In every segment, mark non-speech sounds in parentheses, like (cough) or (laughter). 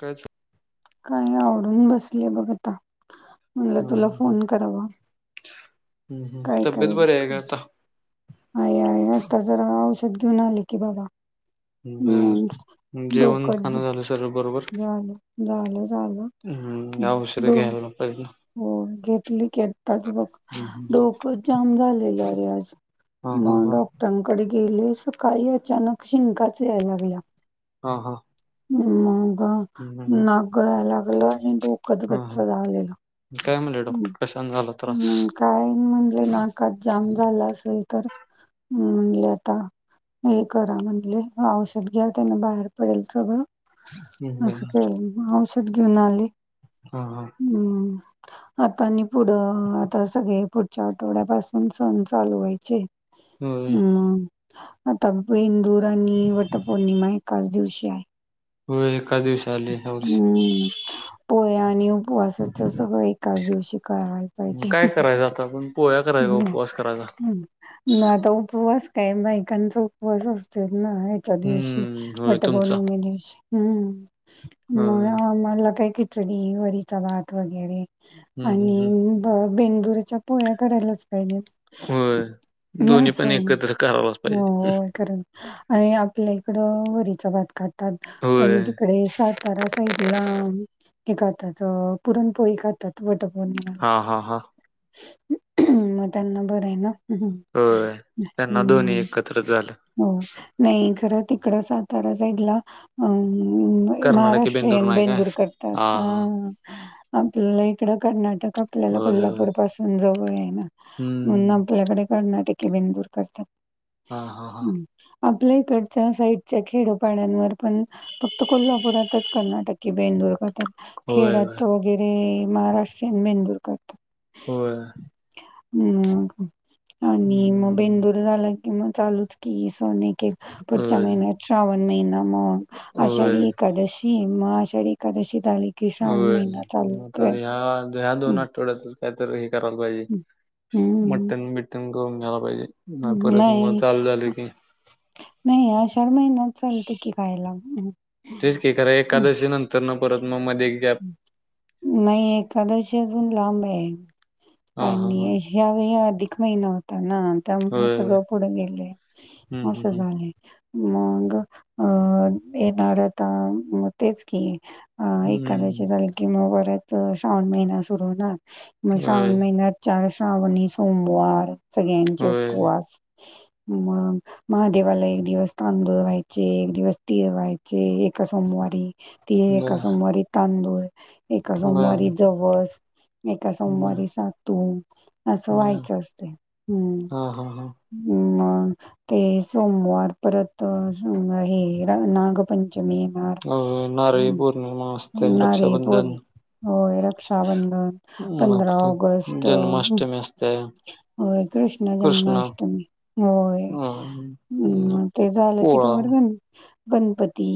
कायच काय आवडून बसले बघ आता म्हटलं तुला ह फोन करावा हम् हम् तबीेत बर काता आई आहेई नसता जरा औषध घेऊन आले की बाबाा बर हम्म जेवण डोकच खाणं झालं सर्व बरोबर झालं झालं झालं हम्म औषध डो घ्यायला पाहिजे ना. हो घेतली की आताच बघ. हम्म डोक जाम झालेरे आज. हा हा मग हा डॉक्टरांकडे गेले सकाळी अचानक शिंकाच याय लागल्या. हा हा. मग हम्म नाक गळायला लागल आणि डोकच ह गच्च ह झालेलं. काय म्हटले डॉक्टर? कशाने झाला त्रास? मग काय म्हणले नाकात जाम झाला असेल, तर म्हटले आता हे करा म्हटले औषध घ्या त्यांन बाहेर पडेल सगळं. बर असं के औषध घेऊन आली. हा हा. हम्म. आता आणि पुढं आता सगळे पुढच्या आठवड्यापासून सण चालू व्हायचे. होय हम्. आता बेंदूर आणि वटपौर्णिमा एकाच दिवशी आहे. हो एका दिवशी आली आहे यावर्षी. पोळी आणि उपवासाचं सगळं एकाच दिवशी कराय मग काय करायचं आता आपण पोळ्या करायचा उपवास करायला. ना आता उपवास काय बाईकांचा उपवास असते ना. त्या दिवशी हम्म होय तुमचा वटपौर्णिमेदिवशी. हम्म होय मग मला काही तरी वरीचा भात वगैरे हम्म हम्म आणि हम्म ब बेंदूरीच्या पोळ्या करायलाच पाहिजे. दो्ही पण एकत्र का. होय कारण आणि आपल्या इकडं वरीचा भात खातात. होय पण तिकडे सात सातारा साईड ला हे खातात. अ पुरणपोळी खातात वटपौर्णिमेला. हा हा. ह मग त्यांना बरं आहे ना? होय त्यांना दोन्ही हम्. एकत्रच झालं हो. नाही खरं तिकडं सातारा साईडला अ कर्नाटकी महाराष्ट्रीयन नाही काय बेंदूर हा करतात हा अ. आपल्याला इकडं कर्नाटक आपल्याला होय होय कोल्हापूर पासून जवळ आहे ना. म्हणून हम्म आपल्याकडे कर्नाटकी बेंदुर करतात. हा हा हा. आपल्या इकडच्या साईडच्या खेडोपाड्यांवर पण फक्त कोल्हापुरातच कर्नाटकी बेंदुर करतात. होय होय खेड्यात वगैरे महाराष्ट्रीयन बेंदूर करतात. होय. हम् आणि मग हम्म बेंदूर झाला कि मग चालूच की हे सन एकएक. पुढच्या होय महिन्यात श्रावण महिना मग आषाढी होय एकादशी. की मग आषाढी एकादशी झाली की श्रावण होय महिना चालू मग होतोय. ह्या या या दोन हम्म आठवड्यात काय तर हे करायला पाहिजे. हम्म मटन बिटन करून घ्यायला पाहिजे. आता परत मग नाही चालू झाल की नाही आषाढ महिनात चालते की खायला. तेच की खरं हं. एकादशी नंतर न परत मग मध्ये नाही एकादशी अजून लांब आहे हा हा हा आणि ह्यावेळी अधिक महिना होता ना. त्यामुळ होय होय. सगळं पुढ गेलय हम्म अस हम्म झालेय. मग अं येणारता तेच की हम्मम. ऐक की मग परत श्रावण महिना सुरू होणार हम्म होय श्रावण महिन्यात चार श्रावणी सोमवार सगळ्यांचे होय उपवास मग महादेवाला एक दिवस तांदूळ व्हायचे एक, दिवस तीर व्हायचे एका सोमवारी. ती एका बर सोमवारी तांदूळ एका, सोमवारी बर जवस. एका बर सोमवारी सातू असं बर व्हायचं असते हम्म. हा हा हा हं मग ते सोमवार परत (unintelligible) हे नाग पंचमी येणार हम्म. न म (unintelligible) ना बोल. होय रक्षाबंधन अं, पंधरा आपली ऑगस्ट. जन्माष्टमी असते होय कृष्ण जन्माष्टमी होय. अ हम मग ते झालं कि पोळा तोवर झालं. गणपती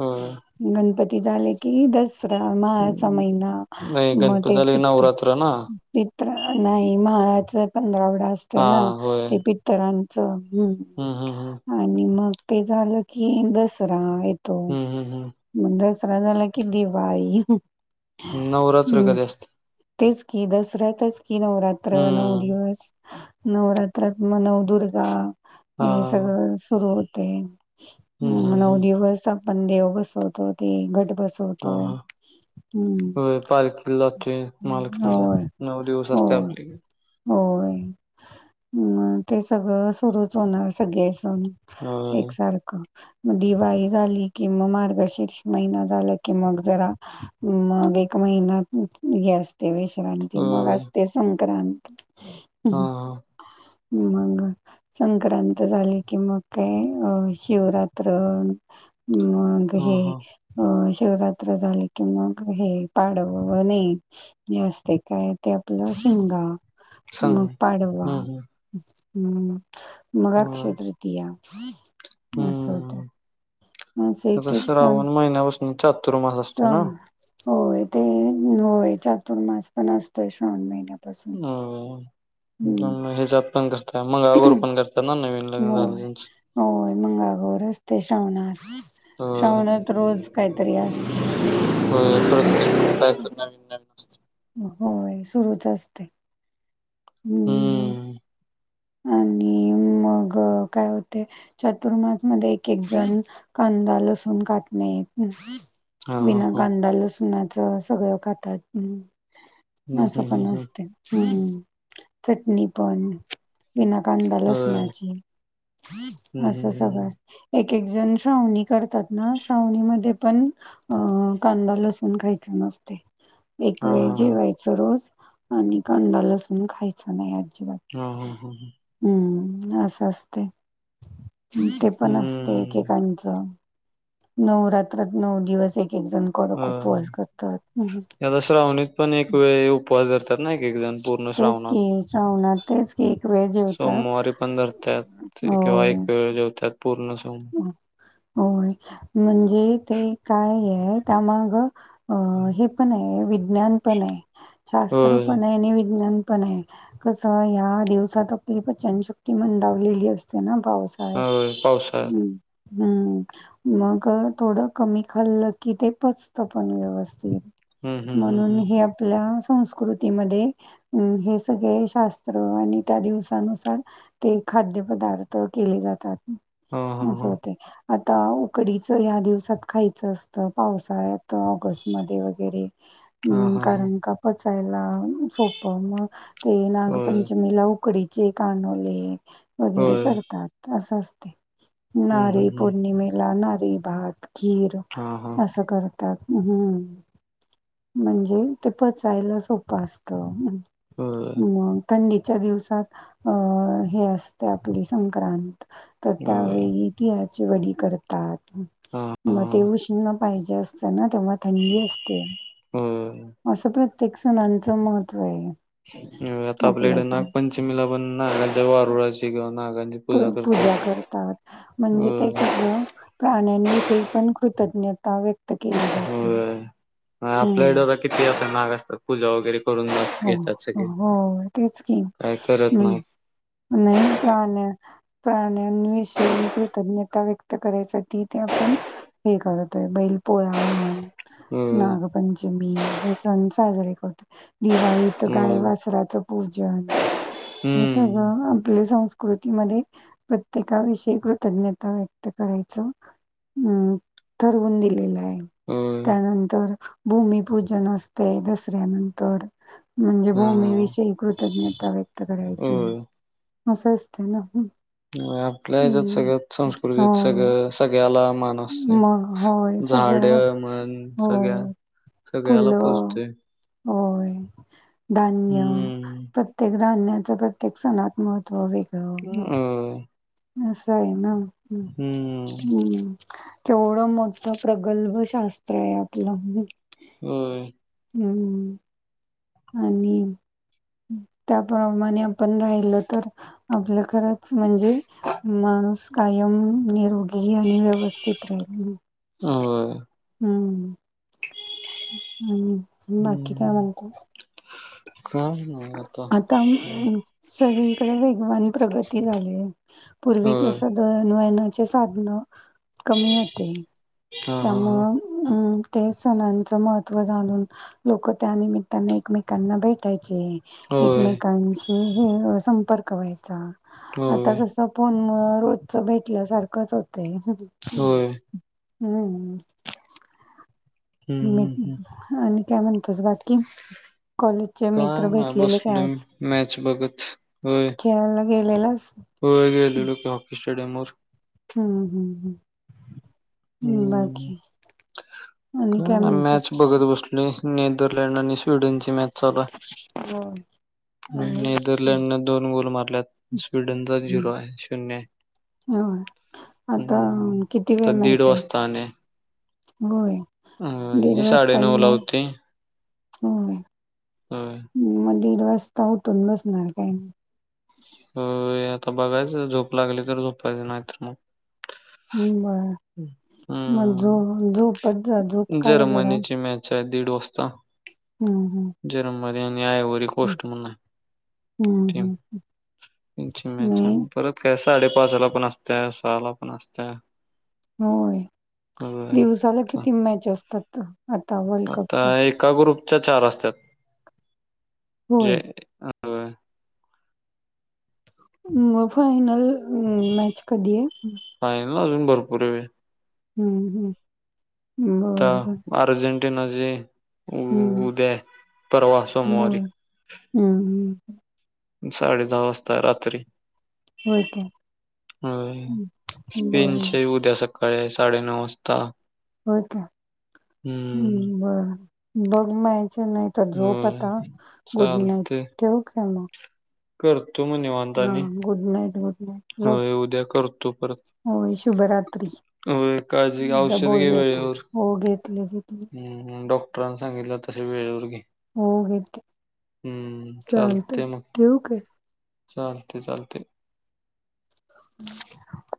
होय झाले कि, दसरा माहाचा महिना नाही मग गणपती ते झाले पित्त नवरात्र ना पित्र नाही मायाचा पंधरावडा असतोय हा ना ते पित्रांचं ह. हम् हम हम. आणि मग ते झालं कि दसरा येतो. हम्म हम्म म्हण दसरा झाला कि दिवाळी. नवरात्र हम्म कधी असत्या. तेच की दसऱ्यातच की नवरात्र नऊ हम्म दिवस नवरात्रात म नवदुर्गा हा हे सगळं सुरु होत. हम्म तेन हम्म नऊ हम्म दिवस आपण देव बसवतो ते घट बस हा सवतो. हा होय पालखीला जातोय महालक्ष्मीला होय नऊ दिवस असते होय आपली होय म ते सगळं सुरूच होणार सगळे सण. होय एकसारखं. दिवाळी झाली कि, मग मार्गशीर्ष महिना झाला की मग जरा मग एक महिना्यात ही असते विश्रांती मग होय असते संक्रांत ह हा हा हंग संक्रांत झाली की मग काय अ शिवरात्र मग हा हे हा अ शिवरात्र झाली कि मग हे पाडवणे जास्त काय ते आपलं शिंगा सांग हम् पडवा हम्म हम्म हम् मगाक्ष होय तृतीया असं होतं. हम्म. आता श्रावण महिन्यापासून चातूर मास च होय. ते होय, चातुर्मास पण असतोय श्रावण महिन्यात. ना.. ना हेज्यात पण धर ते मंगळागौर पण करतात ना, नवीन लग्न होय झालेल्यांचं. होय, मंगळागौर असते श्रावणात होय श्रावणात रोज काहीतरी असते असं होते. प्रत्येकतायच नवीन नवीन (unintelligible) होय सुरूच असतेय हम्. हम्म. आणि मग काय होते चतुर्मास मध्ये एक एक जण कांदा लसण काटणेेत हा हा विना हा. कांदा लसुणाच सगळं खातात हम्म असं हम्म हम्म पण हम्म. असत हम् चटणी पण विना कांदा होय. लसणाची हम्म असं हम्म सगळं हम्म. असतं. एक एक जण श्रावणी करतात ना श्रावणीमध्ये पण अं कांदा लसूण खायच नसते एक हा वेळ हा हा. जेवायचं रोज आणि कांदा लसून खायचं नाही अजिबात हा, हं हं हं हम्म. असं असतंय. ते पण असं ते हम्म. एकेकांच नऊ रात्रात नऊ दिवस एक एक जण कडक होय. उपवास करतात. हम्म आता श्रावणीत पण एक वेळ, उपवास धरतात ना एक एक जण पूर्ण तेच श्रावणात. की श्रावणात तेच की एक वेळ जेवतात. सोमवारी पण धरत्यात ते किंवा एक वेळ जेवत्यात पूर्ण श्रावणात ह होय, म्हणजे ते काय ये त्यामागं अ.. हे पण आहे, विज्ञान पण आहे. शास्त्र होय. पण आहे आणि विज्ञान पण आहे. कसं, ह्या दिवसात आपली पचनशक्ती मंदावलेली असते ना पावस होय पावसाळ्यात अ हम्म मग थोडं कमी खाल्लं की, ते पचतं पण व्यवस्थित. हम्म हम्म हम्म म्हणून हम्म हे आपल्या संस्कृतीमध्ये अम् हे सगळे शास्त्र, आणि त्या दिवसानुसार ते खाद्य पदार्थ केले जातात. हा हा नं असं हा होतंय. आता उकडीचं, ह्या दिवसात खायचं असतं. पावसाळ्यात, ऑगस्ट मध्ये वगैरे. हा हम्म हा हा कारण का पचायला सोपं मग ते होय नागपंचमीला उकडी चे कानोले वगैरे होय करतात. असं असते. हम्म नारळी हम्म हम्म पौर्णिमेला नारळी भात, खीर हा हा असं कर त्यात हम्म म्हणजे ते पचायला सोपं असतं. होय मग थंडीच्या दिवसात, अ हे असतय आपली संक्रांत. त होय त्यावेळी तिळाची वडी करतात. हा हा मग ते हा. उष्ण पाहिजे असत ना, तेव्हा थंडी असते. हम्म असं प्रत्येक सणांचं महत्व आहे. आता आपल्या इकडे नागपंचमीला पण नागाच्या वा रुळाची नाग आणि प पूजा करतात म्हणजे होय ते कसं. प्राण्यांविषयी पण कृतज्ञता व्यक्त केली जाते. हम्म आपल्याकडेता किती असं नाग असतात पूजा वगैरे करून जात हो हो तेच काय करत घम नाही नाही प्राण प्राण्यांविषयी कृतज्ञता व्यक्त करायसाठी ते आपण हे करतोय बैलपोळ म्हण. होय नागपंचमी हे सण साजरे करतेय. दिवाळी तर गाय होय वासराच पूजन हे हम्म सगळं आपले संस्क कृतीमध्ये प्रत्येकाविषयी कृतज्ञता व्यक्त करायच. हम् ठरवून दिलेलं आहे. होय त्यानंतर भूमिपूजन असते दसऱ्यानंतर म्हणजे हा भूमीविषयी कृतज्ञता व्यक्त करायची. होय असं असतंय ना. होय. आपल्या ह्याज्यात हं. सगळ्यात, संस्कृतीत होय. सगळं. सगळ्याला मान असतोय. मग होय, झाड सगळ्या गो- मण सगळ्या होय. सगळ्याला पोजते. हो. धान्य हम्म प्रत्येक धान्याचं प्रत्येक सणात महत्त्व वेग ह. अस आहे ना हम्. हम्म तेवढं मोठं प्रगल्भ शास्त्र आहे आपलं. होय. हम्म (unintelligible) आणि त्याप्रमाणे आपण राहिल तर आपलं खरच म्हणजे माणूस कायम निरुड घी आणि व्यवस्थित राहिल होय हम्म हम् बाकी काय म्हणत का आता सगळीकडे वेगवान प्रगती झाली आहे पूर्वी होय तस दन वयनाचे साधन कमी होते हा हा हा त्यामुळं अं ते सणांचं महत्त्व जाणून लोक त्यानिमित्ताने एकमेकांना भेटायचे होय एकमेकांशी हे संपर्क व्हायचा आता होय कस फोन रोजच भेटल्यासारखंच होतंय होम हम्म हम्म मी हम्म हम्म आणि काय म्हणतोस बाकी कॉलेजचे काय मित्र नाय भेटलेले का बसलोय मी आज मॅच बघत खेळायला गेलेलाच हो गे ल हॉकी स्टेडयमवरर हम्म हम्म हम् ह् आणि का काय ना मॅच म्हणतोस? बघत बसलो नेदरलँड आणि स्वीडन ची मॅच चालू हम नेदरलँडने दोन गोल मारल्या स्वीडनचा झिरो आहे शून्य आहे हो आता किती वेळ मॅच आहे? तीडोस्ताने होय दीड वाजतानी मग हो हा मग दीड वाजता उठून बसणार काय नाही होय आता बघायचं, झोप लागली तर झोपायचं नाही तर नाही हम् बर, मग झो हम्म झोपतजा. झोप काढ जरा. काय दीड वाजता? हम्म हम्. जर्मनी आणि आयवरी हम्. ह.. ह.. हम्. यांची मॅच आहे. परत काय साडेपाचला पण असत्या, सहाला पण असत्या. होय, होय. दिवसाला किती मॅच असतात आता वर्ल्ड आता कपच्या? एका ग्रुपच्या चार असतात. जे होय अ मग, फायनल मॅच कधी आहे? फायनल, अजून भरपूर वेळ आहे. हम्म.. हम्म.. बरं बरं. अर्जेंटिनाची हम्म उद्या, परवा सोमवारी. हम् हम साडे दहा वाजता रात्री होय काय हो बर स्पेनचे ये उद्या शकत सकाळी साडे नऊ वाजता होय का? हम्म हम् बरं, बघ मग यायच्या नाहीत. आता, झोप होय. आता. गुड नाईट, चालते ठेवू काय मग? करतो मग निवांत. हा आणि गुड नाईट गुड नाईट झोप होय, उद्या करतो परत. होय शुभरात्री होय. काळजी घे, आता औषध घे बोलूया आपण वेळेवर. हो घेतले घेतले हम् डॉ डॉक्टरांनी सांगितल्यास तसं वेळेवर घे. हो घेते, हम्म चालतंय. ठेवू काय? हा चालतंय चालतंय. हम्. (unintelligible)